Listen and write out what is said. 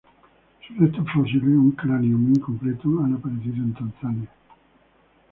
Sus restos fósiles, un cráneo muy incompleto, han aparecido en Tanzania.